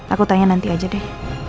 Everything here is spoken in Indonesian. aku tanya nanti aja deh